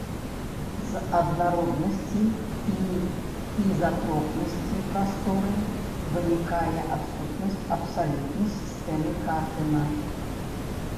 З аднароднасці і ізатропнасці прасторы вынікае адсутнасць абсалютнай сістэмы каардынат.